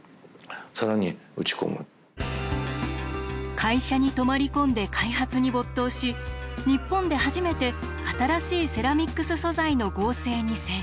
会社に泊まり込んで開発に没頭し日本で初めて新しいセラミックス素材の合成に成功。